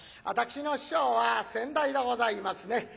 私の師匠は先代でございますね。